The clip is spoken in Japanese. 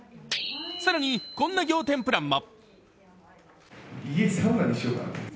更に、こんな仰天プランも。